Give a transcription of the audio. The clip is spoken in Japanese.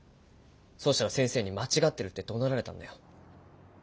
そうしたら先生に間違ってるってどなられたんだよ。